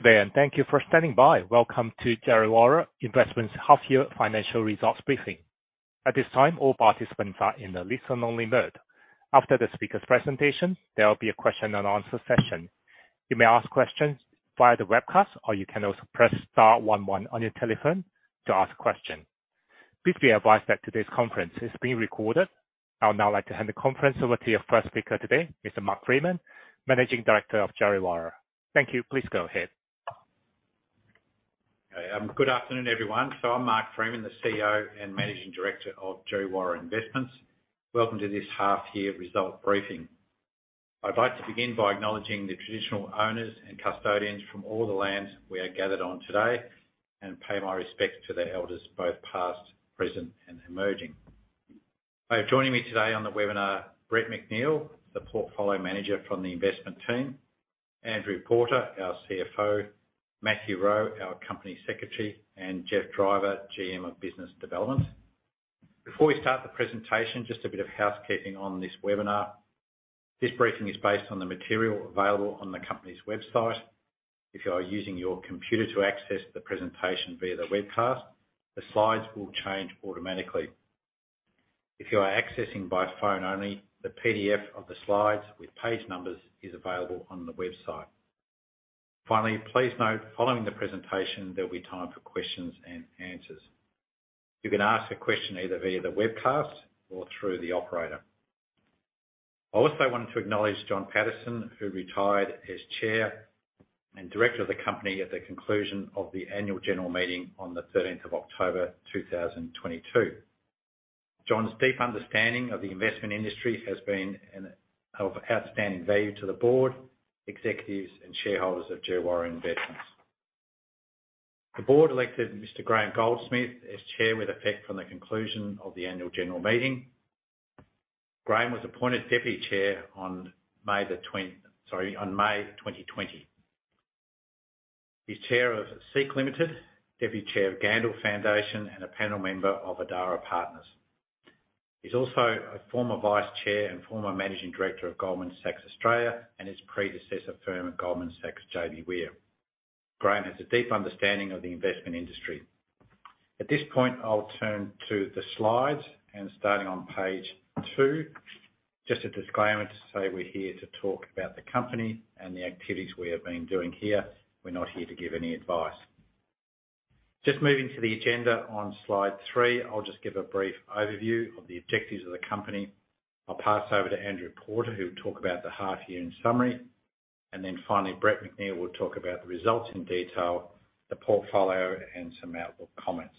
Good day, thank you for standing by. Welcome to Djerriwarrh Investments' half year financial results briefing. At this time, all participants are in a listen-only mode. After the speaker's presentation, there will be a question and answer session. You may ask questions via the webcast, or you can also press star one one on your telephone to ask a question. Please be advised that today's conference is being recorded. I would now like to hand the conference over to your first speaker today, Mr. Mark Freeman, Managing Director of Djerriwarrh. Thank you. Please go ahead. Good afternoon, everyone. I'm Mark Freeman, the CEO and Managing Director of Djerriwarrh Investments. Welcome to this half year result briefing. I'd like to begin by acknowledging the traditional owners and custodians from all the lands we are gathered on today and pay my respects to the elders, both past, present, and emerging. Joining me today on the webinar, Brett Moir, the Portfolio Manager from the investment team, Andrew Porter, our CFO, Matthew Rowe, our Company Secretary, and Jeff Driver, GM of Business Development. Before we start the presentation, just a bit of housekeeping on this webinar. This briefing is based on the material available on the company's website. If you are using your computer to access the presentation via the webcast, the slides will change automatically. If you are accessing by phone only, the PDF of the slides with page numbers is available on the website. Finally, please note, following the presentation, there'll be time for questions and answers. You can ask a question either via the webcast or through the operator. I also wanted to acknowledge John Paterson, who retired as chair and director of the company at the conclusion of the annual general meeting on the 13th of October, 2022. John's deep understanding of the investment industry has been of outstanding value to the board, executives, and shareholders of Djerriwarrh Investments. The board elected Mr. Graham Goldsmith as chair with effect from the conclusion of the annual general meeting. Graham was appointed deputy chair on May 2020. He's chair of SEEK Limited, deputy chair of Gandel Foundation, and a panel member of Adara Partners. He's also a former vice chair and former managing director of Goldman Sachs Australia and its predecessor firm at Goldman Sachs JBWere. Graham has a deep understanding of the investment industry. At this point, I'll turn to the slides, starting on page two. Just a disclaimer to say we're here to talk about the company and the activities we have been doing here. We're not here to give any advice. Just moving to the agenda on slide three. I'll just give a brief overview of the objectives of the company. I'll pass over to Andrew Porter, who'll talk about the half year in summary. Finally, Brett Moir will talk about the results in detail, the portfolio, and some outlook comments.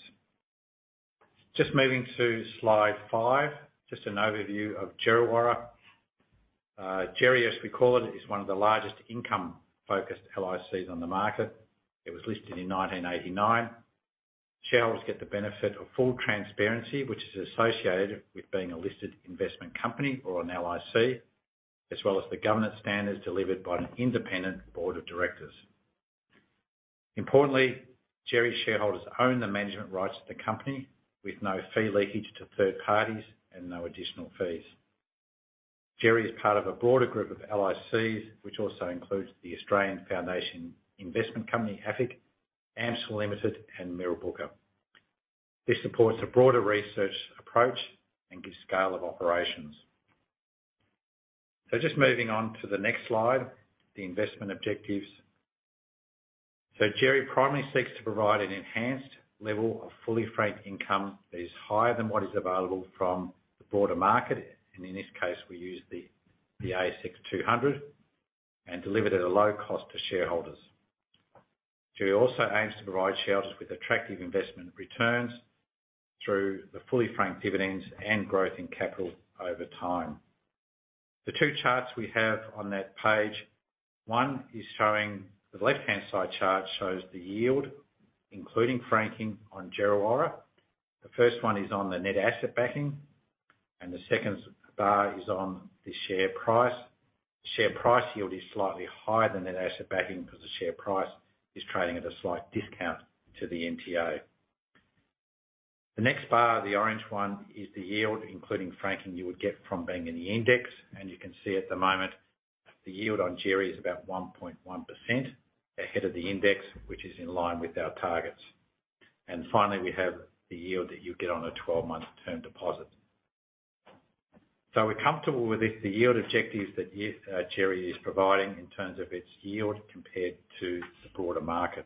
Just moving to slide five, just an overview of Djerriwarrh. Jerrie, as we call it, is one of the largest income-focused LICs on the market. It was listed in 1989. Shareholders get the benefit of full transparency, which is associated with being a Listed Investment Company or an LIC, as well as the governance standards delivered by an independent board of directors. Importantly, Djerriwarrh's shareholders own the management rights of the company with no fee leakage to third parties and no additional fees. Djerriwarrh is part of a broader group of LICs, which also includes the Australian Foundation Investment Company, AFIC, AMCIL Limited, and Mirrabooka. This supports a broader research approach and gives scale of operations. Just moving on to the next slide, the investment objectives. Djerriwarrh primarily seeks to provide an enhanced level of fully franked income that is higher than what is available from the broader market, and in this case, we use the S&P/ASX 200, and deliver it at a low cost to shareholders. Djerriwarrh also aims to provide shareholders with attractive investment returns through the fully franked dividends and growth in capital over time. The two charts we have on that page. The left-hand side chart shows the yield, including franking on Djerriwarrh. The first one is on the net asset backing, the second bar is on the share price. Share price yield is slightly higher than net asset backing because the share price is trading at a slight discount to the NTA. The next bar, the orange one, is the yield, including franking you would get from being in the index. You can see at the moment, the yield on Djerriwarrh is about 1.1% ahead of the index, which is in line with our targets. Finally, we have the yield that you get on a 12-month term deposit. We're comfortable with this, the yield objectives that Djerriwarrh is providing in terms of its yield compared to the broader market.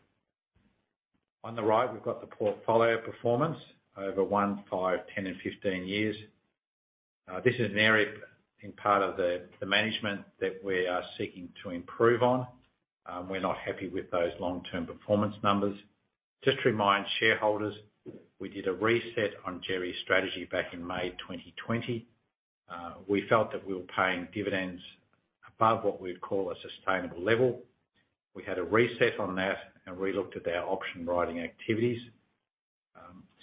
On the right, we've got the portfolio performance over 1, 5, 10, and 15 years. This is an area in part of the management that we are seeking to improve on. We're not happy with those long-term performance numbers. Just to remind shareholders, we did a reset on Djerriwarrh's strategy back in May 2020. We felt that we were paying dividends above what we'd call a sustainable level. We had a reset on that, and relooked at our option writing activities.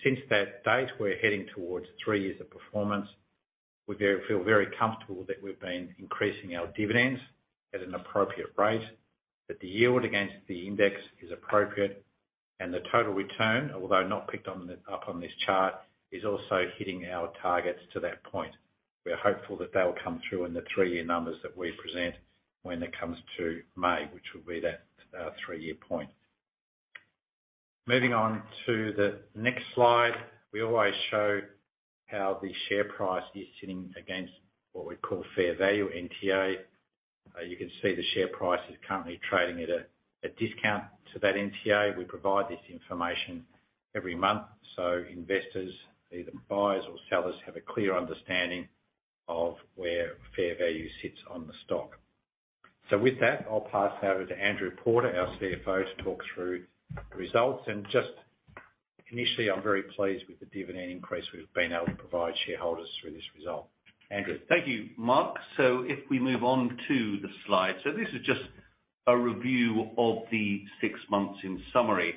Since that date, we're heading towards three years of performance. We feel very comfortable that we've been increasing our dividends at an appropriate rate, that the yield against the index is appropriate. The total return, although not picked up on this chart, is also hitting our targets to that point. We are hopeful that they'll come through in the three-year numbers that we present when it comes to May, which will be that, three-year point. Moving on to the next slide, we always show how the share price is sitting against what we call fair value NTA. You can see the share price is currently trading at a discount to that NTA. We provide this information every month, so investors, either buyers or sellers, have a clear understanding of where fair value sits on the stock. With that, I'll pass over to Andrew Porter, our CFO, to talk through the results. Just initially, I'm very pleased with the dividend increase we've been able to provide shareholders through this result. Andrew. Thank you, Mark. If we move on to the slide. This is just a review of the six months in summary.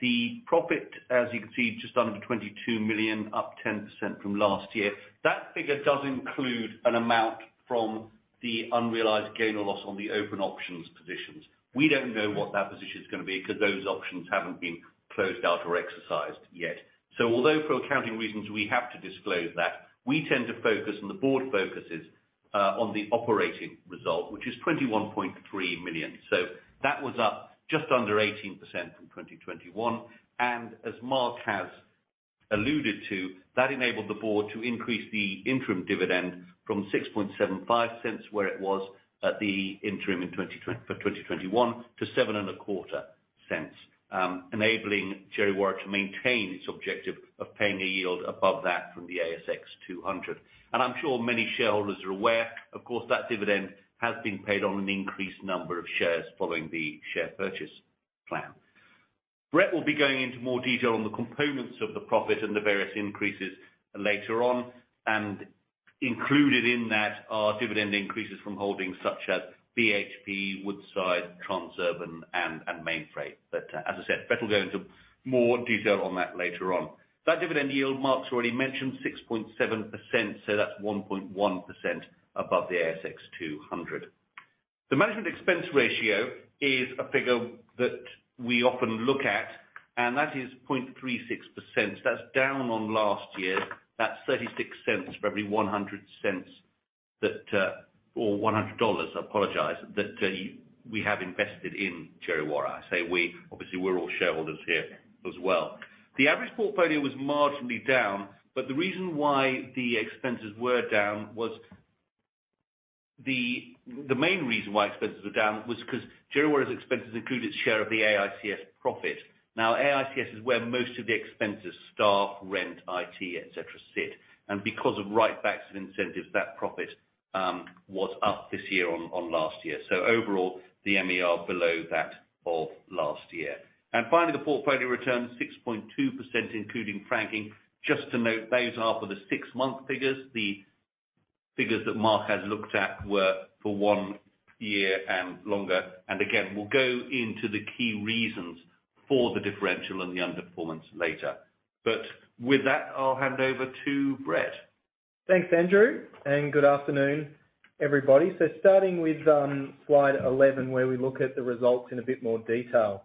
The profit, as you can see, just under 22 million, up 10% from last year. That figure does include an amount from the unrealized gain or loss on the open options positions. We don't know what that position's gonna be 'cause those options haven't been closed out or exercised yet. Although for accounting reasons we have to disclose that, we tend to focus, and the board focuses, on the operating result, which is 21.3 million. That was up just under 18% from 2021. As Mark has alluded to, that enabled the board to increase the interim dividend from 0.0675, where it was at the interim in 2021, to 0.0725, enabling Djerriwarrh to maintain its objective of paying a yield above that from the S&P/ASX 200. I'm sure many shareholders are aware, of course, that dividend has been paid on an increased number of shares following the Share Purchase Plan. Brett will be going into more detail on the components of the profit and the various increases later on. Included in that are dividend increases from holdings such as BHP, Woodside, Transurban, and Mainfreight. As I said, Brett will go into more detail on that later on. That dividend yield, Mark's already mentioned 6.7%, that's 1.1% above the S&P/ASX 200. The management expense ratio is a figure that we often look at, and that is 0.36%. That's down on last year. That's 0.36 for every 1.00 that, or 100 dollars, I apologize, that we have invested in Djerriwarrh. I say we, obviously we're all shareholders here as well. The average portfolio was marginally down, but the main reason why expenses were down was 'cause Djerriwarrh's expenses include its share of the AICS profit. AICS is where most of the expenses, staff, rent, IT, et cetera, sit. Because of write-backs and incentives, that profit was up this year on last year. Overall, the MER below that of last year. Finally, the portfolio return is 6.2% including franking. Just to note, those are for the six-month figures. The figures that Mark has looked at were for one year and longer. Again, we'll go into the key reasons for the differential and the underperformance later. With that, I'll hand over to Brett. Thanks, Andrew, good afternoon, everybody. Starting with slide 11, where we look at the results in a bit more detail.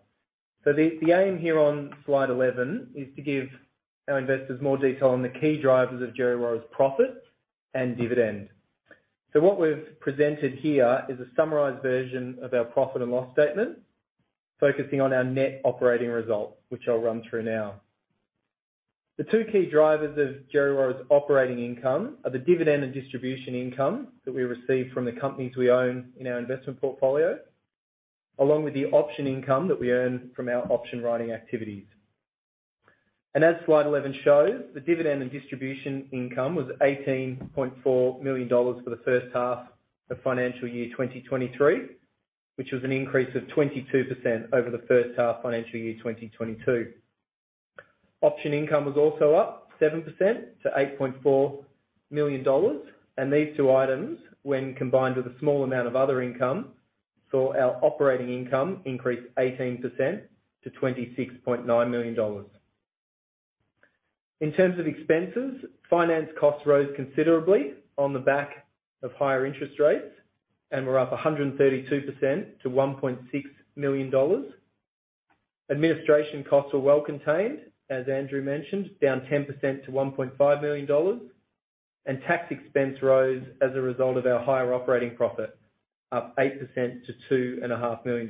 The aim here on slide 11 is to give our investors more detail on the key drivers of Djerriwarrh's profits and dividend. What we've presented here is a summarized version of our profit and loss statement, focusing on our net operating results, which I'll run through now. The two key drivers of Djerriwarrh's operating income are the dividend and distribution income that we receive from the companies we own in our investment portfolio, along with the option income that we earn from our option-writing activities. As slide 11 shows, the dividend and distribution income was 18.4 million dollars for the first half of financial year 2023, which was an increase of 22% over the first half financial year 2022. Option income was also up 7% to 8.4 million dollars. These two items, when combined with a small amount of other income, saw our operating income increase 18% to 26.9 million dollars. In terms of expenses, finance costs rose considerably on the back of higher interest rates and were up 132% to 1.6 million dollars. Administration costs are well contained, as Andrew mentioned, down 10% to 1.5 million dollars. Tax expense rose as a result of our higher operating profit, up 8% to two and a half million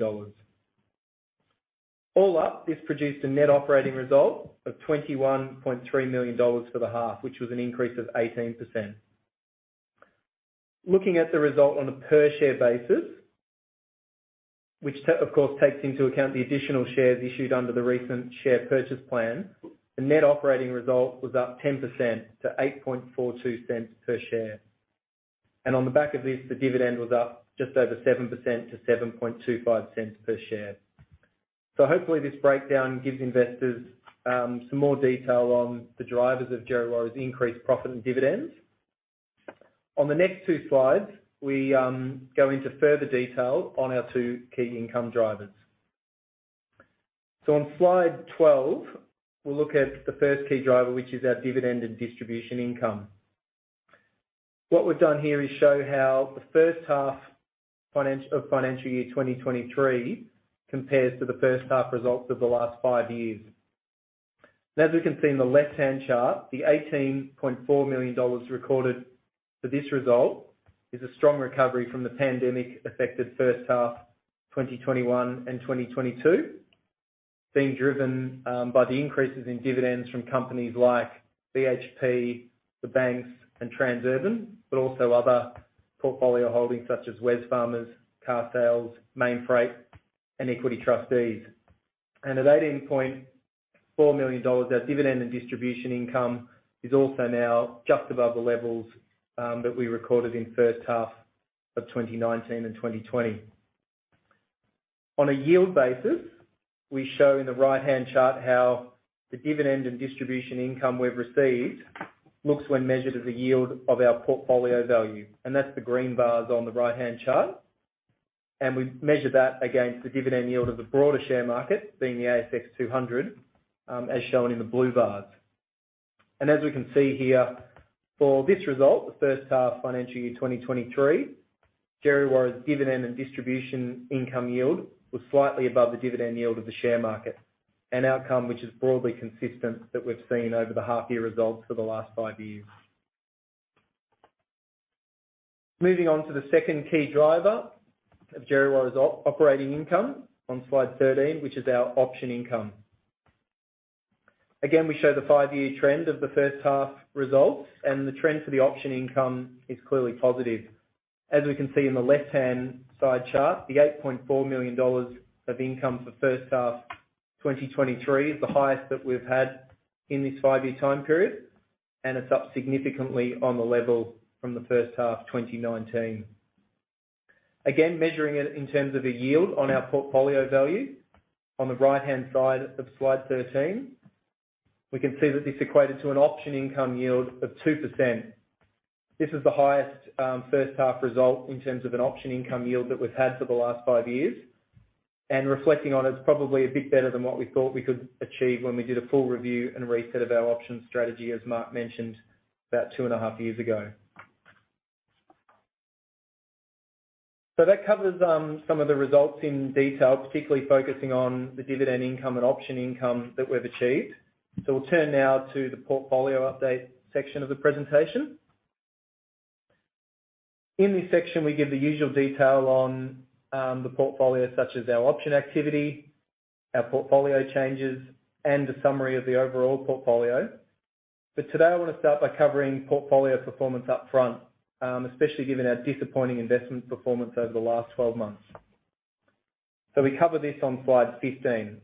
dollars. All up, this produced a net operating result of 21.3 million dollars for the half, which was an increase of 18%. Looking at the result on a per share basis, which of course, takes into account the additional shares issued under the recent Share Purchase Plan, the net operating result was up 10% to 0.0842 per share. On the back of this, the dividend was up just over 7% to 0.0725 per share. Hopefully this breakdown gives investors some more detail on the drivers of Djerriwarrh's increased profit and dividends. On the next two slides, we go into further detail on our two key income drivers. On slide 12, we'll look at the first key driver, which is our dividend and distribution income. What we've done here is show how the first half of financial year 2023 compares to the first half results of the last five years. As we can see in the left-hand chart, the 18.4 million dollars recorded for this result is a strong recovery from the pandemic-affected first half 2021 and 2022, being driven by the increases in dividends from companies like BHP, the banks, and Transurban, but also other portfolio holdings such as Wesfarmers, Carsales, Mainfreight, and Equity Trustees. At 18.4 million dollars, our dividend and distribution income is also now just above the levels that we recorded in first half of 2019 and 2020. On a yield basis, we show in the right-hand chart how the dividend and distribution income we've received looks when measured as a yield of our portfolio value, and that's the green bars on the right-hand chart. We measure that against the dividend yield of the broader share market, being the S&P/ASX 200, as shown in the blue bars. As we can see here, for this result, the first half financial year 2023, Djerriwarrh's dividend and distribution income yield was slightly above the dividend yield of the share market, an outcome which is broadly consistent that we've seen over the half year results for the last five years. Moving on to the second key driver of Djerriwarrh's operating income on slide 13, which is our option income. Again, we show the five-year trend of the first half results, and the trend for the option income is clearly positive. As we can see in the left-hand side chart, the 8.4 million dollars of income for first half 2023 is the highest that we've had in this five-year time period, and it's up significantly on the level from the first half 2019. Again, measuring it in terms of a yield on our portfolio value on the right-hand side of slide 13, we can see that this equated to an option income yield of 2%. This is the highest first half result in terms of an option income yield that we've had for the last five years. Reflecting on it's probably a bit better than what we thought we could achieve when we did a full review and reset of our options strategy, as Mark mentioned, about two and a half years ago. That covers some of the results in detail, particularly focusing on the dividend income and option income that we've achieved. We'll turn now to the portfolio update section of the presentation. In this section, we give the usual detail on the portfolio, such as our option activity, our portfolio changes, and a summary of the overall portfolio. Today I wanna start by covering portfolio performance up front, especially given our disappointing investment performance over the last 12 months. We cover this on slide 15.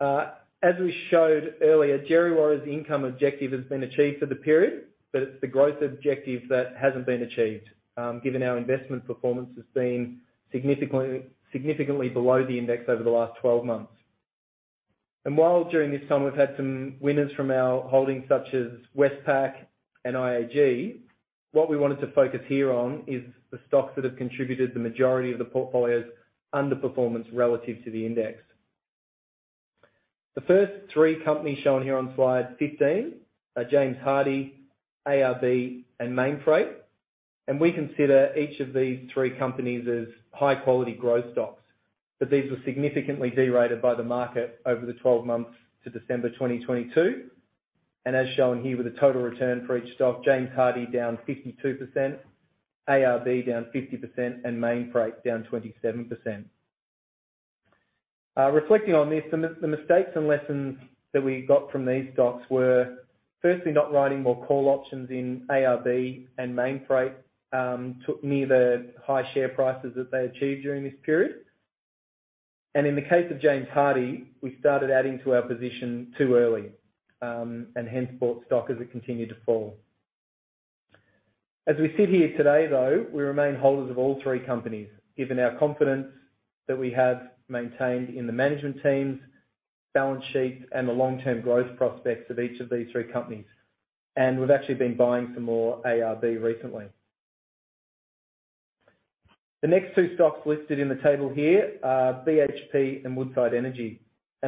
As we showed earlier, Djerriwarrh's income objective has been achieved for the period, but it's the growth objective that hasn't been achieved, given our investment performance has been significantly below the index over the last 12 months. While during this time we've had some winners from our holdings, such as Westpac and IAG, what we wanted to focus here on is the stocks that have contributed the majority of the portfolio's underperformance relative to the index. The first three companies shown here on slide 15 are James Hardie, ARB, and Mainfreight, and we consider each of these three companies as high-quality growth stocks. These were significantly derated by the market over the 12 months to December 2022. As shown here, with the total return for each stock, James Hardie down 52%, ARB down 50%, and Mainfreight down 27%. Reflecting on this, the mistakes and lessons that we got from these stocks were, firstly, not writing more call options in ARB and Mainfreight, took near the high share prices that they achieved during this period. In the case of James Hardie, we started adding to our position too early, and hence bought stock as it continued to fall. As we sit here today, though, we remain holders of all three companies, given our confidence that we have maintained in the management teams, balance sheets, and the long-term growth prospects of each of these three companies. We've actually been buying some more ARB recently. The next two stocks listed in the table here are BHP and Woodside Energy,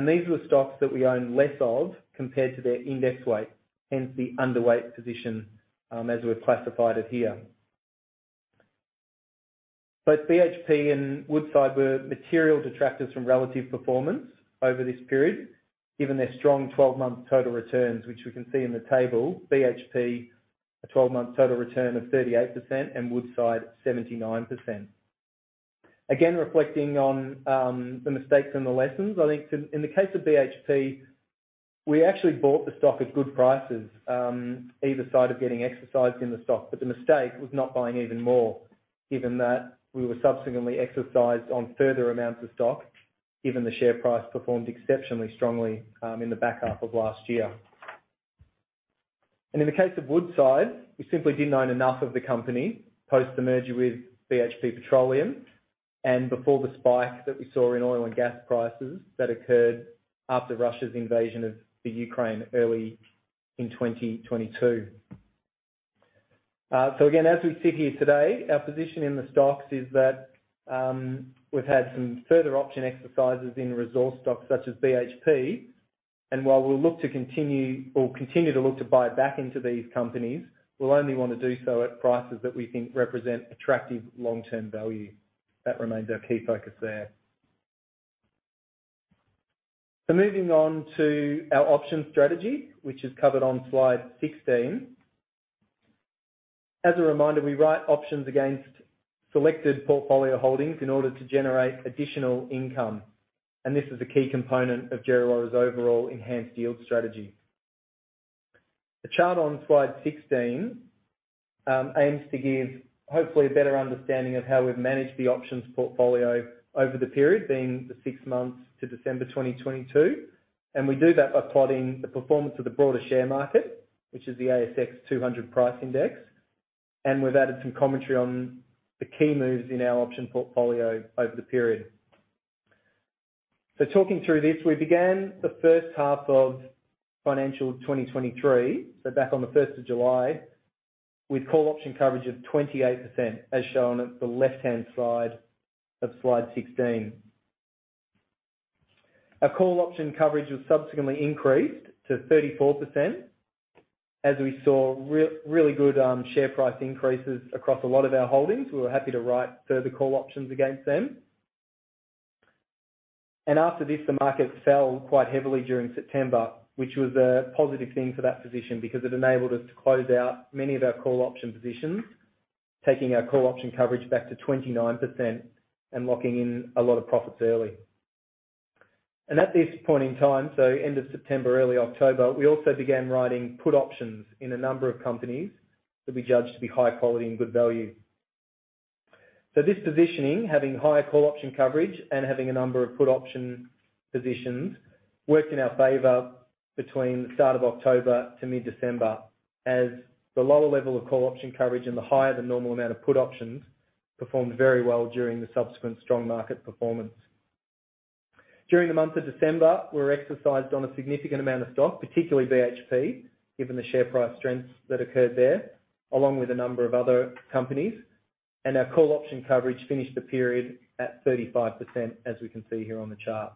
these were stocks that we own less of compared to their index weight, hence the underweight position, as we've classified it here. Both BHP and Woodside were material detractors from relative performance over this period, given their strong 12-month total returns, which we can see in the table, BHP, a 12-month total return of 38% and Woodside 79%. Again, reflecting on the mistakes and the lessons, I think in the case of BHP, we actually bought the stock at good prices, either side of getting exercised in the stock, the mistake was not buying even more given that we were subsequently exercised on further amounts of stock, given the share price performed exceptionally strongly in the back half of last year. In the case of Woodside, we simply didn't own enough of the company post the merger with BHP Petroleum and before the spike that we saw in oil and gas prices that occurred after Russia's invasion of the Ukraine early in 2022. Again, as we sit here today, our position in the stocks is that we've had some further option exercises in resource stocks such as BHP, and while we'll continue to look to buy back into these companies, we'll only wanna do so at prices that we think represent attractive long-term value. That remains our key focus there. Moving on to our option strategy, which is covered on slide 16. As a reminder, we write options against selected portfolio holdings in order to generate additional income, and this is a key component of Djerriwarrh's overall enhanced yield strategy. The chart on slide 16 aims to give, hopefully, a better understanding of how we've managed the options portfolio over the period being the 6 months to December 2022, and we do that by plotting the performance of the broader share market, which is the S&P/ASX 200 Price Index, and we've added some commentary on the key moves in our option portfolio over the period. Talking through this, we began the first half of financial 2023, so back on the first of July, with call option coverage of 28%, as shown at the left-hand side of slide 16. Our call option coverage was subsequently increased to 34%, as we saw really good share price increases across a lot of our holdings. We were happy to write further call options against them. After this, the market fell quite heavily during September, which was a positive thing for that position because it enabled us to close out many of our call option positions, taking our call option coverage back to 29% and locking in a lot of profits early. At this point in time, so end of September, early October, we also began writing put options in a number of companies that we judged to be high quality and good value. This positioning, having higher call option coverage and having a number of put option positions, worked in our favor between the start of October to mid-December, as the lower level of call option coverage and the higher than normal amount of put options performed very well during the subsequent strong market performance. During the month of December, we were exercised on a significant amount of stock, particularly BHP, given the share price strengths that occurred there, along with a number of other companies, and our call option coverage finished the period at 35%, as we can see here on the chart.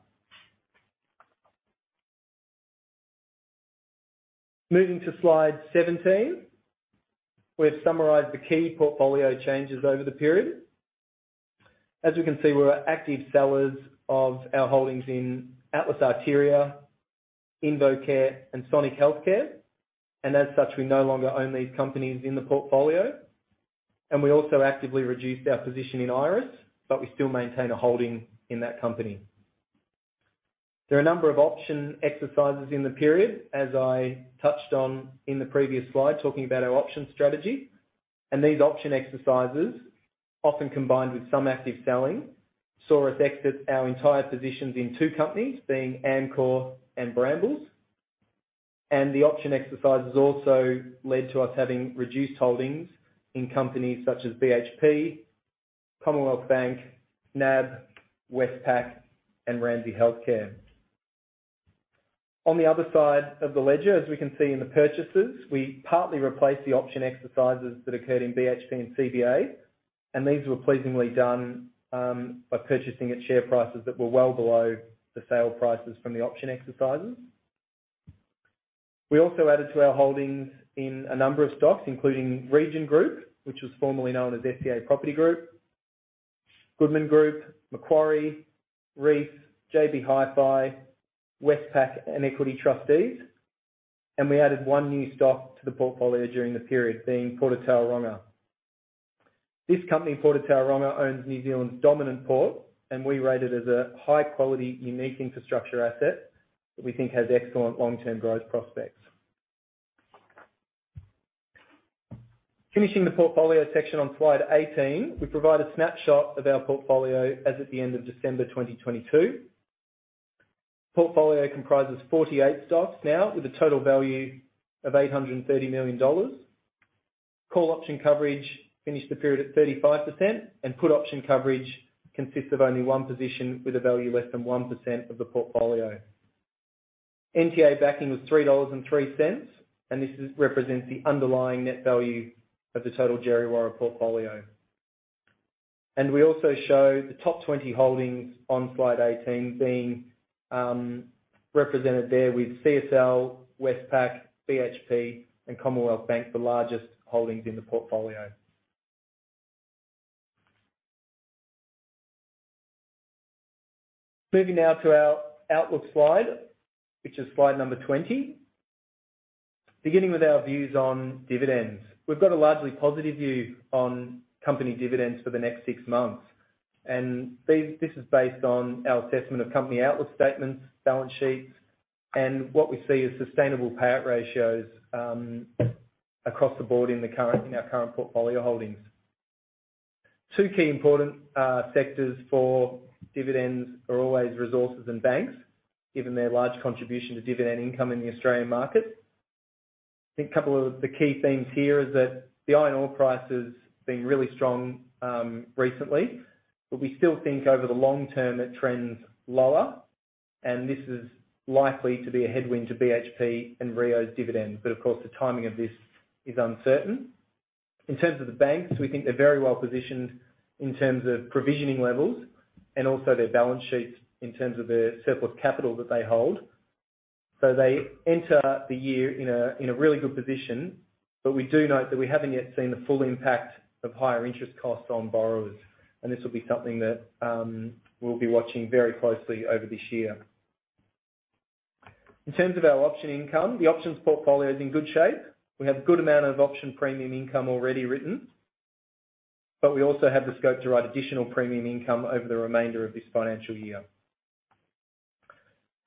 Moving to slide 17, we've summarized the key portfolio changes over the period. As you can see, we were active sellers of our holdings in Atlas Arteria, InvoCare, and Sonic Healthcare, and as such, we no longer own these companies in the portfolio. We also actively reduced our position in Iress, but we still maintain a holding in that company. There are a number of option exercises in the period, as I touched on in the previous slide, talking about our option strategy. These option exercises, often combined with some active selling, saw us exit our entire positions in two companies, being Amcor and Brambles. The option exercises also led to us having reduced holdings in companies such as BHP, Commonwealth Bank, NAB, Westpac, and Ramsay Health Care. On the other side of the ledger, as we can see in the purchases, we partly replaced the option exercises that occurred in BHP and CBA, and these were pleasingly done by purchasing at share prices that were well below the sale prices from the option exercises. We also added to our holdings in a number of stocks, including Region Group, which was formerly known as SCA Property Group, Goodman Group, Macquarie, Reece, JB Hi-Fi, Westpac, and Equity Trustees. We added one new stock to the portfolio during the period, being Port of Tauranga. This company, Port of Tauranga, owns New Zealand's dominant port, and we rate it as a high-quality, unique infrastructure asset that we think has excellent long-term growth prospects. Finishing the portfolio section on slide 18, we provide a snapshot of our portfolio as at the end of December 2022. Portfolio comprises 48 stocks now with a total value of 830 million dollars. Call option coverage finished the period at 35%. Put option coverage consists of only one position with a value less than 1% of the portfolio. NTA backing was 3.03 dollars, represents the underlying net value of the total Djerriwarrh portfolio. We also show the top 20 holdings on slide 18 being represented there with CSL, Westpac, BHP, and Commonwealth Bank, the largest holdings in the portfolio. Moving now to our outlook slide, which is slide number 20. Beginning with our views on dividends, we've got a largely positive view on company dividends for the next six months. This is based on our assessment of company outlook statements, balance sheets, and what we see as sustainable payout ratios across the board in the current, in our current portfolio holdings. Two key important sectors for dividends are always resources and banks, given their large contribution to dividend income in the Australian market. I think couple of the key themes here is that the iron ore price has been really strong recently, but we still think over the long term it trends lower. This is likely to be a headwind to BHP and Rio's dividends. Of course, the timing of this is uncertain. In terms of the banks, we think they're very well-positioned in terms of provisioning levels and also their balance sheets in terms of the surplus capital that they hold. They enter the year in a really good position. We do note that we haven't yet seen the full impact of higher interest costs on borrowers. This will be something that we'll be watching very closely over this year. In terms of our option income, the options portfolio is in good shape. We have good amount of option premium income already written, but we also have the scope to write additional premium income over the remainder of this financial year.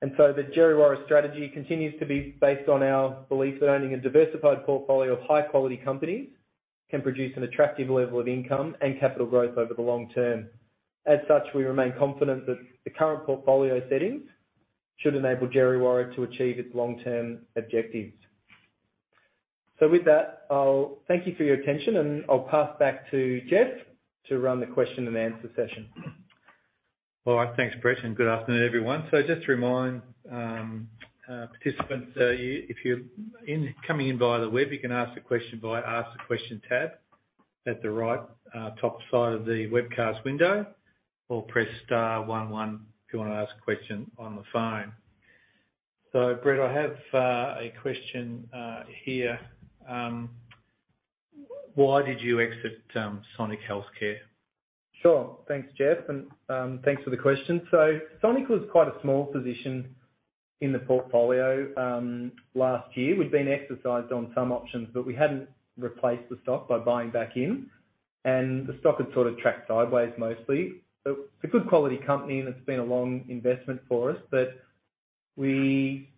The Djerriwarrh strategy continues to be based on our belief that owning a diversified portfolio of high-quality companies can produce an attractive level of income and capital growth over the long term. As such, we remain confident that the current portfolio settings should enable Djerriwarrh to achieve its long-term objectives. With that, I'll thank you for your attention, and I'll pass back to Jeff to run the question and answer session. All right, thanks, Brett. Good afternoon, everyone. Just to remind participants, coming in by the web, you can ask a question by Ask a Question tab at the right top side of the webcast window, or press star one one if you wanna ask a question on the phone. Brett, I have a question here. Why did you exit Sonic Healthcare? Sure. Thanks, Geoff, and thanks for the question. Sonic was quite a small position in the portfolio last year. We'd been exercised on some options, but we hadn't replaced the stock by buying back in, and the stock had sort of tracked sideways mostly. It's a good quality company, and it's been a long investment for us, but we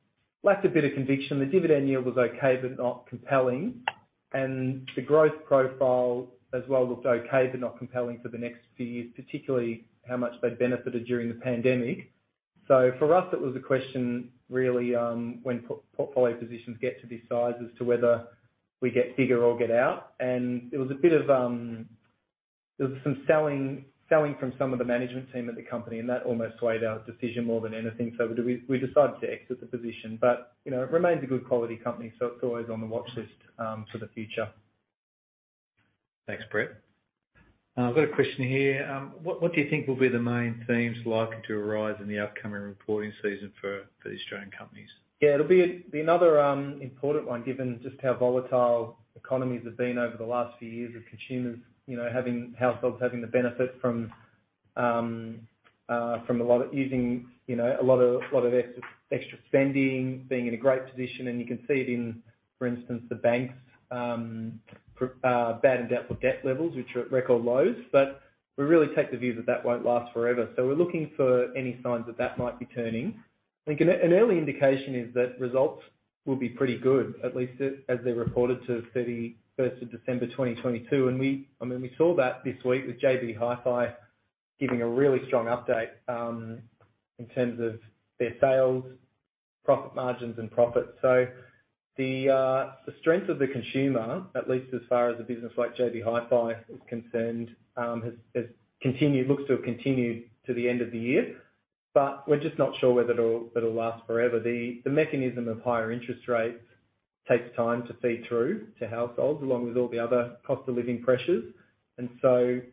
lacked a bit of conviction. The dividend yield was okay, but not compelling. The growth profile as well looked okay, but not compelling for the next few years, particularly how much they benefited during the pandemic. For us, it was a question really when portfolio positions get to this size as to whether we get bigger or get out. It was a bit of. There was some selling from some of the management team at the company, and that almost swayed our decision more than anything. We decided to exit the position, but, you know, it remains a good quality company, so it's always on the watchlist for the future. Thanks, Brett. I've got a question here. What do you think will be the main themes likely to arise in the upcoming reporting season for the Australian companies? Yeah, it'll be another important one, given just how volatile economies have been over the last few years with consumers, you know, households having the benefit from a lot of easing, you know, a lot of extra spending, being in a great position, and you can see it in, for instance, the banks' bad and doubtful debt levels, which are at record lows. We really take the view that that won't last forever. We're looking for any signs that that might be turning. I think an early indication is that results will be pretty good, at least as they're reported to 31st of December 2022. We, I mean, we saw that this week with JB Hi-Fi giving a really strong update in terms of their sales, profit margins and profits. The strength of the consumer, at least as far as a business like JB Hi-Fi is concerned, has continued, looks to have continued to the end of the year, but we're just not sure whether it'll last forever. The mechanism of higher interest rates takes time to feed through to households, along with all the other cost of living pressures.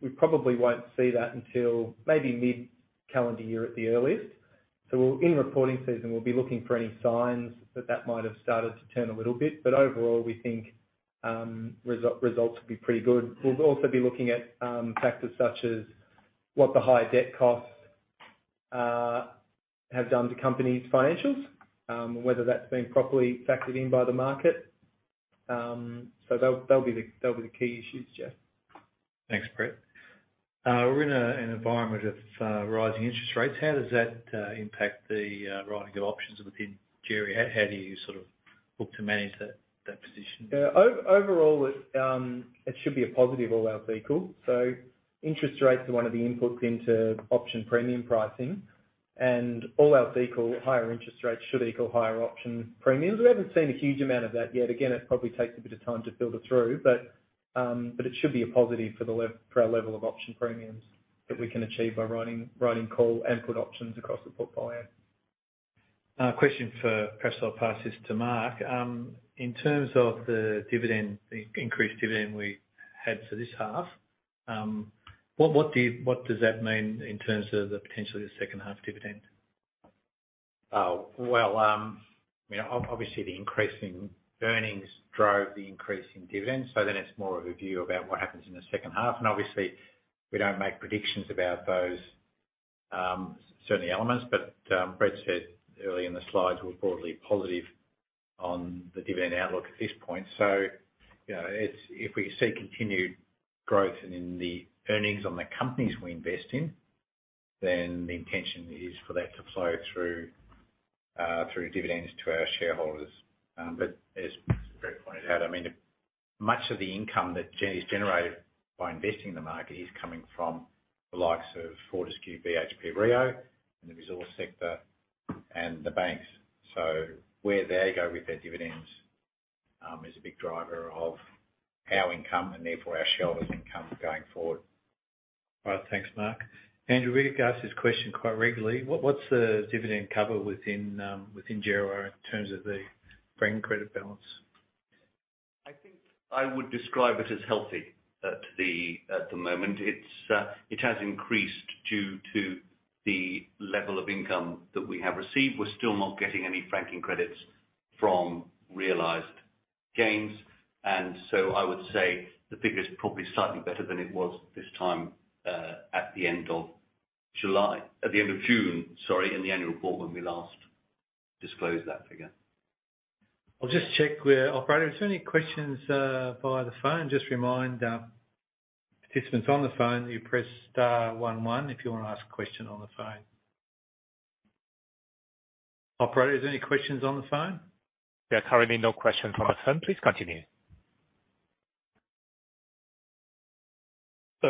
We probably won't see that until maybe mid-calendar year at the earliest. In reporting season, we'll be looking for any signs that that might have started to turn a little bit, but overall, we think results will be pretty good. We'll also be looking at factors such as what the high debt costs have done to companies' financials, and whether that's been properly factored in by the market. They'll be the key issues, Geof. Thanks, Brett. We're in an environment of rising interest rates. How does that impact the writing of options within Djerriwarrh? How do you sort of look to manage that position? Yeah. Overall, it should be a positive all else being equal. Interest rates are one of the inputs into option premium pricing, and all else being equal, higher interest rates should equal higher option premiums. We haven't seen a huge amount of that yet. Again, it probably takes a bit of time to filter through, but it should be a positive for our level of option premiums that we can achieve by writing call and put options across the portfolio. A question for. Perhaps I'll pass this to Mark. In terms of the dividend, the increased dividend we had for this half, what does that mean in terms of the potentially the second half dividend? Well, you know, obviously the increase in earnings drove the increase in dividends, then it's more of a view about what happens in the second half. Obviously, we don't make predictions about those, certainly elements, but Brett said earlier in the slides, we're broadly positive on the dividend outlook at this point. You know, if we see continued growth in the earnings on the companies we invest in, then the intention is for that to flow through through dividends to our shareholders. But as Brett pointed out, I mean, much of the income that is generated by investing in the market is coming from the likes of Fortescue, BHP, Rio, and the resource sector and the banks. Where they go with their dividends is a big driver of our income and therefore our shareholders' income going forward. All right. Thanks, Mark. Andrew, we get asked this question quite regularly. What's the dividend cover within JRO in terms of the franking credit balance? I think I would describe it as healthy at the moment. It's, it has increased due to the level of income that we have received. We're still not getting any franking credits from realized gains. I would say the figure is probably slightly better than it was this time, at the end of July, at the end of June, sorry, in the annual report when we last disclosed that figure. I'll just check with our operator. Is there any questions via the phone? Just remind participants on the phone, you press star one one if you wanna ask a question on the phone. Operator, is there any questions on the phone? There are currently no questions on the phone. Please continue.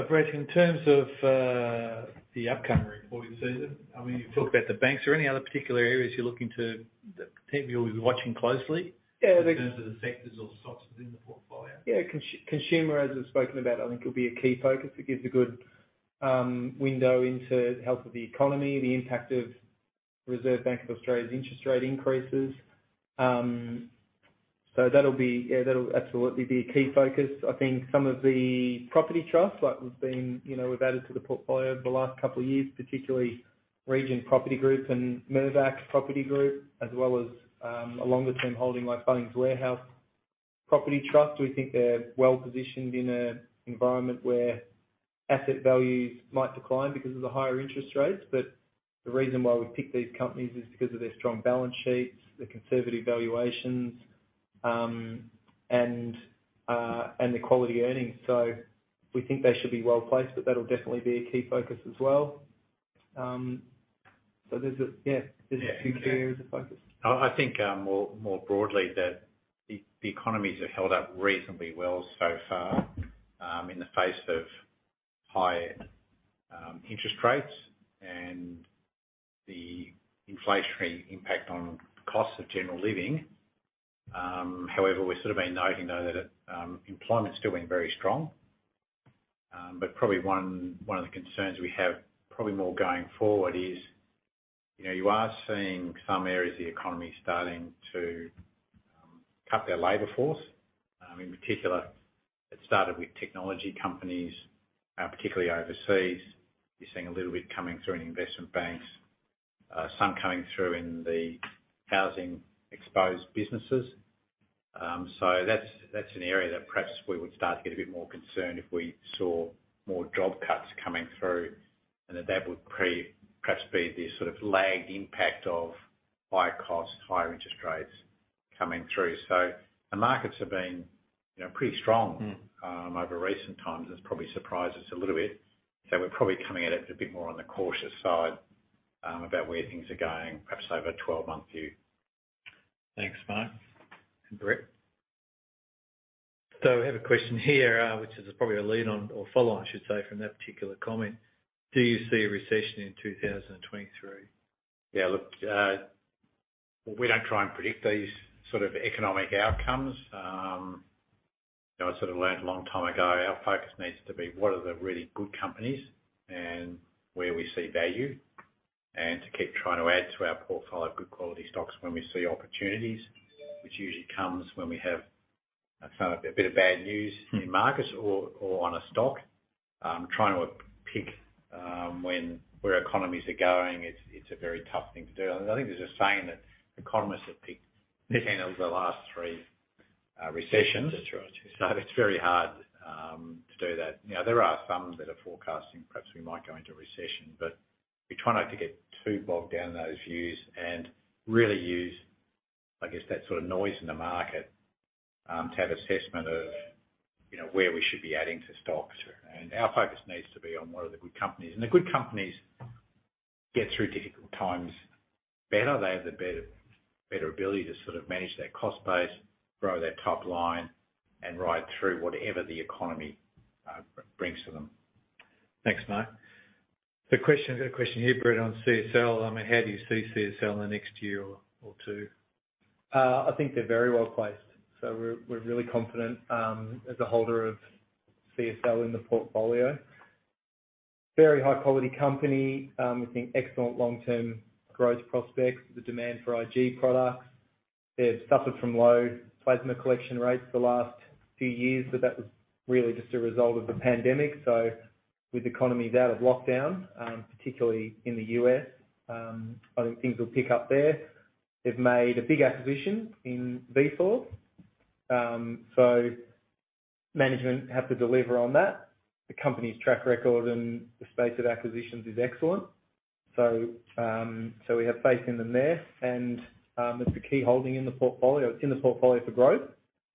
Brett, in terms of the upcoming reporting season, I mean, you've talked about the banks or any other particular areas you're looking to? People will be watching closely. Yeah. in terms of the sectors or stocks within the portfolio. Consumer, as we've spoken about, I think will be a key focus. It gives a good window into the health of the economy, the impact of Reserve Bank of Australia's interest rate increases. That'll absolutely be a key focus. I think some of the property trusts, like we've been, you know, we've added to the portfolio over the last couple of years, particularly Region Property Group and Mirvac Property Group, as well as a longer term holding like Bunnings Warehouse Property Trust. We think they're well-positioned in an environment where asset values might decline because of the higher interest rates. The reason why we've picked these companies is because of their strong balance sheets, their conservative valuations, and the quality earnings. We think they should be well-placed, but that'll definitely be a key focus as well. Yeah, there's a few areas of focus. I think, more broadly that the economies have held up reasonably well so far, in the face of high interest rates and the inflationary impact on costs of general living. However, we've sort of been noting though that employment's still been very strong. Probably one of the concerns we have probably more going forward is, you know, you are seeing some areas of the economy starting to cut their labor force. In particular, it started with technology companies, particularly overseas. You're seeing a little bit coming through in investment banks, some coming through in the housing exposed businesses. That's, that's an area that perhaps we would start to get a bit more concerned if we saw more job cuts coming through. That that would perhaps be the sort of lagged impact of higher costs, higher interest rates coming through. The markets have been, you know, pretty strong-. Over recent times. It's probably surprised us a little bit. We're probably coming at it a bit more on the cautious side, about where things are going, perhaps over a 12-month view. Thanks, Mark. Brett. I have a question here, which is probably a lead on or follow on, I should say, from that particular comment: Do you see a recession in 2023? Yeah, look, we don't try and predict these sort of economic outcomes. You know, I sort of learnt a long time ago, our focus needs to be what are the really good companies and where we see value, and to keep trying to add to our portfolio of good quality stocks when we see opportunities, which usually comes when we have a bit of bad news in markets or on a stock. Trying to pick where economies are going, it's a very tough thing to do. I think there's a saying that economists have picked the end of the last three recessions. That's right. It's very hard to do that. You know, there are some that are forecasting, perhaps we might go into recession, but we try not to get too bogged down in those views and really use, I guess, that sort of noise in the market to have assessment of, you know, where we should be adding to stocks. Sure. Our focus needs to be on what are the good companies. The good companies get through difficult times better. They have the better ability to sort of manage their cost base, grow their top line, and ride through whatever the economy brings to them. Thanks, Mark. I've got a question here, Brett, on CSL. I mean, how do you see CSL in the next year or two? I think they're very well-placed. We're really confident as a holder of CSL in the portfolio. Very high quality company. We think excellent long-term growth prospects, the demand for IG products. They've suffered from low plasma collection rates for the last few years, but that was really just a result of the pandemic. With economies out of lockdown, particularly in the U.S., I think things will pick up there. They've made a big acquisition in Vifor Pharma, so management have to deliver on that. The company's track record in this space of acquisitions is excellent. We have faith in them there. It's the key holding in the portfolio. It's in the portfolio for growth,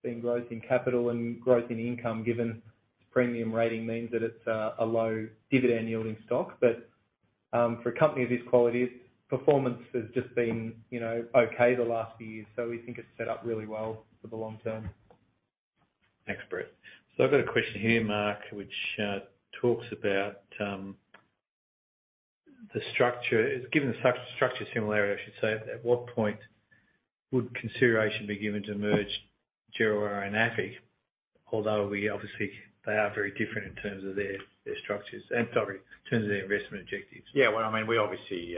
seeing growth in capital and growth in income, given its premium rating means that it's a low dividend yielding stock. For a company of this quality, its performance has just been, you know, okay the last few years. We think it's set up really well for the long term. Thanks, Brett. I've got a question here, Mark, which talks about. Given the such structure similarity, I should say, at what point would consideration be given to merge Djerriwarrh and AFIC? They are very different in terms of their structures and, sorry, in terms of their investment objectives. Well, I mean, we obviously,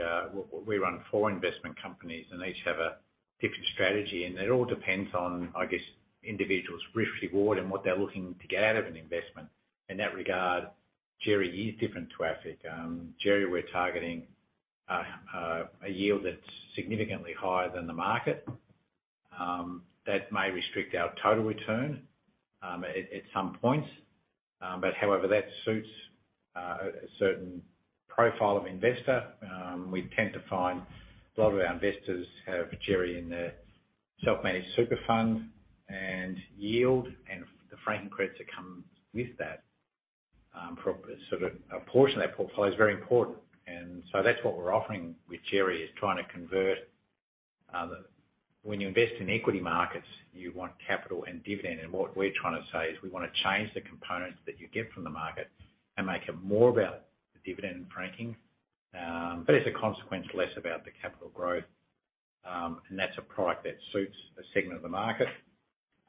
we run four investment companies, and each have a different strategy, and it all depends on, I guess, individuals' risk reward and what they're looking to get out of an investment. In that regard, Djerriwarrh is different to AFIC. Djerriwarrh, we're targeting a yield that's significantly higher than the market. That may restrict our total return at some point. However, that suits a certain profile of investor. We tend to find a lot of our investors have Djerriwarrh in their self-managed super fund, and yield and the franking credits that come with that, sort of a portion of that portfolio is very important. That's what we're offering with Djerriwarrh, is trying to convert, when you invest in equity markets, you want capital and dividend. What we're trying to say is we wanna change the components that you get from the market and make it more about the dividend and franking. As a consequence, less about the capital growth, and that's a product that suits a segment of the market.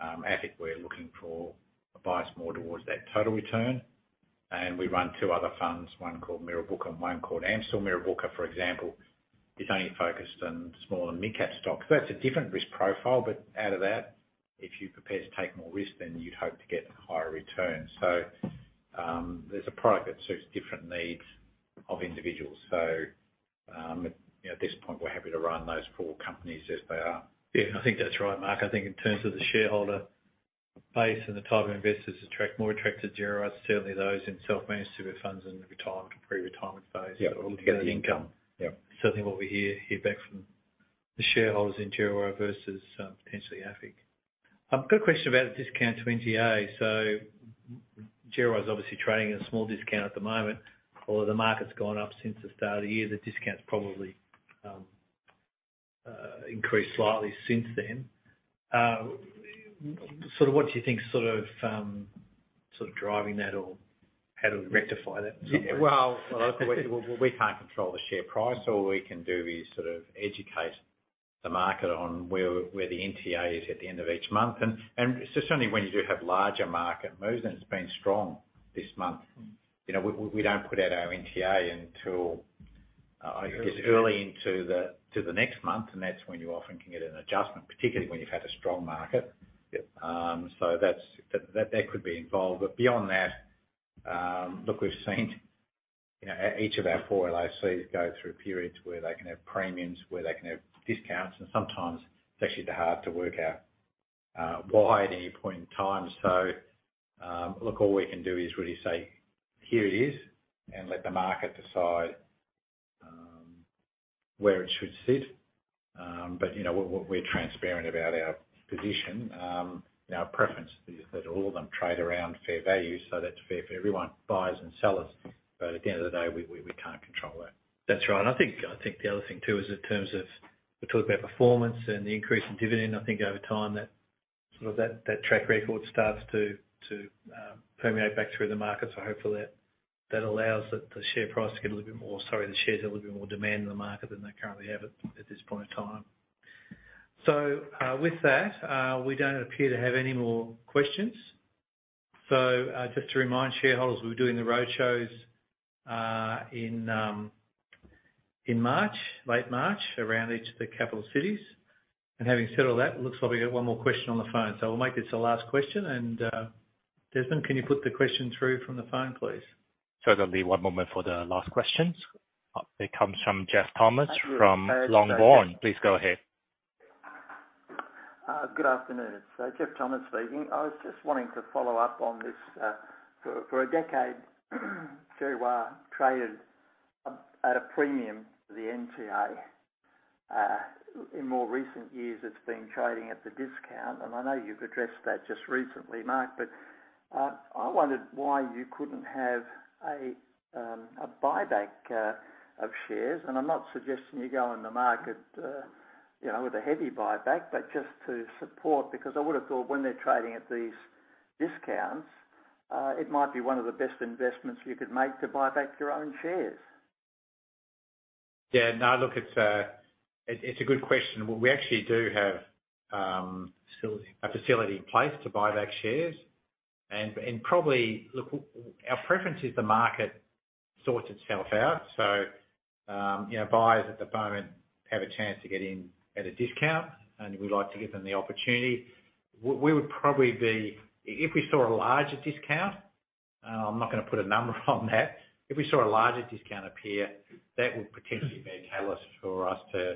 AFIC, we're looking for a bias more towards that total return. We run two other funds, one called Mirrabooka and one called AMCIL. Mirrabooka, for example, is only focused on small and mid-cap stocks. That's a different risk profile, but out of that, if you're prepared to take more risk, then you'd hope to get higher returns. There's a product that suits different needs of individuals. At, you know, at this point, we're happy to run those four companies as they are. Yeah, I think that's right, Mark. I think in terms of the shareholder base and the type of investors more attracted to Djerriwarrh is certainly those in self-managed super funds and retirement, pre-retirement phase. Yeah. Looking at the income. Yeah. Certainly what we hear back from the shareholders in Djerriwarrh versus, potentially AFIC. I've got a question about a discount to NTA. Djerriwarrh's obviously trading at a small discount at the moment. Although the market's gone up since the start of the year, the discount's probably increased slightly since then. Sort of what do you think sort of driving that, or how do we rectify that in some way? Yeah. Well, look, we can't control the share price. All we can do is sort of educate the market on where the NTA is at the end of each month. Certainly when you do have larger market moves, and it's been strong this month. You know, we don't put out our NTA until, I guess early into the next month, and that's when you often can get an adjustment, particularly when you've had a strong market. Yep. That's... That could be involved. Beyond that, look, we've seen, you know, each of our four LICs go through periods where they can have premiums, where they can have discounts, and sometimes it's actually hard to work out why at any point in time. Look, all we can do is really say, "Here it is," and let the market decide where it should sit. You know, we're transparent about our position. Our preference is that all of them trade around fair value, so that's fair for everyone, buyers and sellers. At the end of the day, we can't control that. That's right. I think the other thing too is in terms of we talk about performance and the increase in dividend, I think over time that track record starts to permeate back through the market. Hopefully that allows the share price to get a little bit more, Sorry, the shares to have a little bit more demand in the market than they currently have at this point in time. With that, we don't appear to have any more questions. Just to remind shareholders, we're doing the roadshows in March, late March, around each of the capital cities. Having said all that, looks like we got one more question on the phone. We'll make this the last question. Desmond, can you put the question through from the phone, please? Sure. There'll be one moment for the last questions. It comes from Jeff Thomson from Longboard. Please go ahead. Good afternoon. Jeff Thomson speaking. I was just wanting to follow up on this. For a decade, Djerriwarrh traded at a premium to the NTA. In more recent years, it's been trading at a discount. I know you've addressed that just recently, Mark, but I wondered why you couldn't have a buyback of shares. I'm not suggesting you go on the market, you know, with a heavy buyback, but just to support. I would've thought when they're trading at these discounts, it might be one of the best investments you could make to buy back your own shares. Yeah. No, look, it's a good question. Well, we actually do have. Facility A facility in place to buy back shares. Probably, our preference is the market sorts itself out. You know, buyers at the moment have a chance to get in at a discount, and we like to give them the opportunity. We would probably be we saw a larger discount, I'm not gonna put a number on that. If we saw a larger discount appear, that would potentially be a catalyst for us to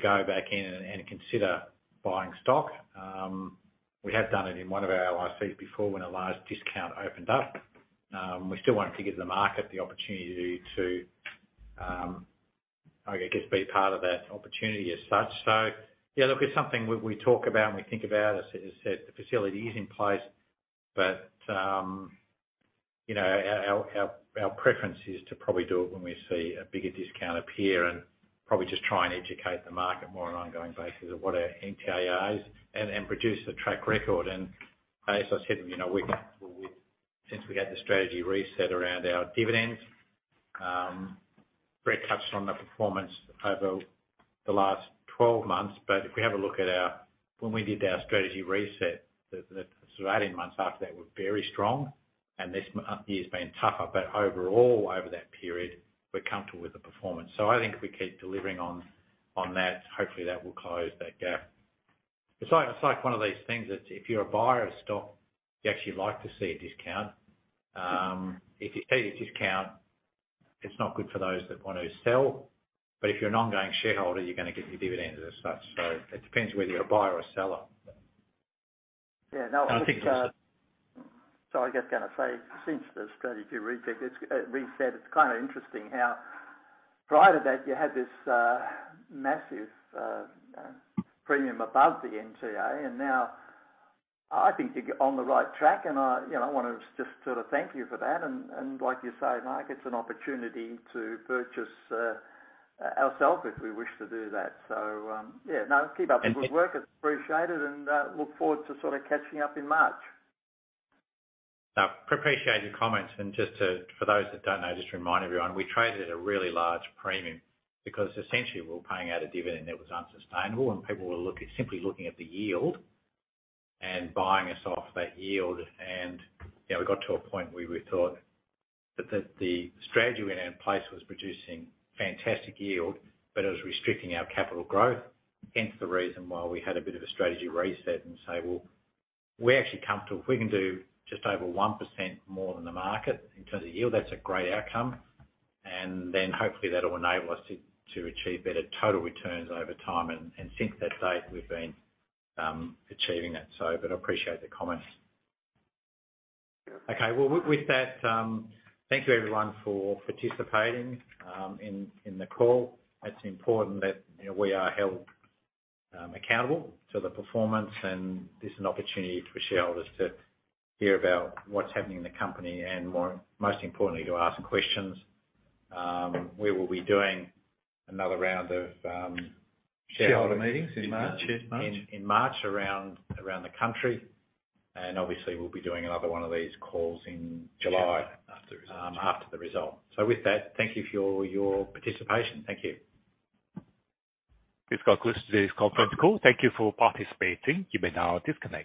go back in and consider buying stock. We have done it in one of our LICs before when a large discount opened up. We still want to give the market the opportunity to, I guess, be part of that opportunity as such. Yeah, look, it's something we talk about and we think about. As I said, the facility is in place, you know, our preference is to probably do it when we see a bigger discount appear and probably just try and educate the market more on an ongoing basis of what our NTA is and produce a track record. As I said, you know, we're comfortable with. Since we had the strategy reset around our dividends, Brett touched on the performance over the last 12 months, but if we have a look at when we did our strategy reset, the sort of 18 months after that were very strong, and this year's been tougher. Overall, over that period, we're comfortable with the performance. I think if we keep delivering on that, hopefully that will close that gap. It's like one of these things that if you're a buyer of stock, you actually like to see a discount. If you see a discount, it's not good for those that wanna sell. If you're an ongoing shareholder, you're gonna get your dividends as such. It depends whether you're a buyer or seller. Yeah, no, I think, so I guess kinda say since the strategy reset, it's kinda interesting how prior to that you had this, massive, premium above the NTA. Now I think you're on the right track, and I, you know, wanna just sort of thank you for that. Like you say, Mark, it's an opportunity to purchase ourself if we wish to do that. Yeah. No, keep up the good work. It's appreciated, and, look forward to sorta catching up in March. No, appreciate your comments. For those that don't know, just remind everyone, we traded at a really large premium because essentially we were paying out a dividend that was unsustainable and people were simply looking at the yield and buying us off that yield. You know, we got to a point where we thought that the strategy we had in place was producing fantastic yield, but it was restricting our capital growth. Hence, the reason why we had a bit of a strategy reset and say, "Well, we're actually comfortable. If we can do just over 1% more than the market in terms of yield, that's a great outcome." Hopefully that'll enable us to achieve better total returns over time. Since that date we've been achieving that. But I appreciate the comments. Okay. Well, with that, thank you everyone for participating in the call. It's important that, you know, we are held accountable to the performance and this is an opportunity for shareholders to hear about what's happening in the company and more, most importantly, to ask questions. We will be doing another round of shareholder meetings in March. Shareholder meetings, yes, March. In March around the country. Obviously we'll be doing another one of these calls in July. After the results.... after the result. With that, thank you for your participation. Thank you. This concludes today's conference call. Thank you for participating. You may now disconnect.